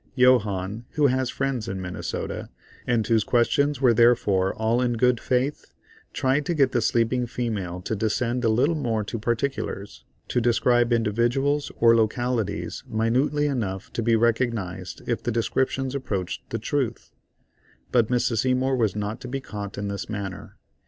Johannes, who has friends in Minnesota, and whose questions were therefore all in good faith, tried to get the sleeping female to descend a little more to particulars, to describe individuals or localities minutely enough to be recognised if the descriptions approached the truth; but Mrs. Seymour was not to be caught in this manner.